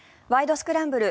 スクランブル」